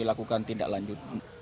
kami lakukan tindak lanjut